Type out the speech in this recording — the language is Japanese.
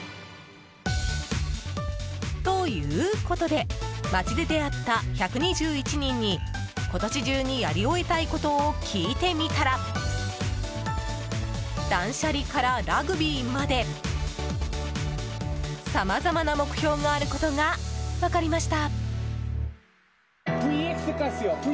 ということで街で出会った１２１人に今年中にやり終えたいことを聞いてみたら断捨離からラグビーまでさまざまな目標があることが分かりました。